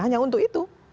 hanya untuk itu